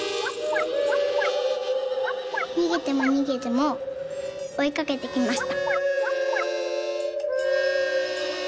「にげてもにげてもおいかけてきました」。